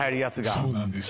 そうなんです。